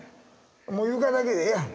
もう床だけでええやん。